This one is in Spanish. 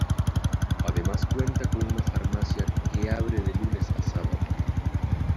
Además cuenta con una farmacia que abre de lunes a sábado.